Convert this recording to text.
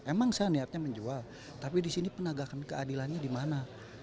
emang saya niatnya menjual tapi di sini penegakan keadilannya di mana